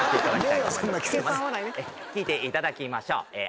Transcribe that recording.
聴いていただきましょう。いきますよ。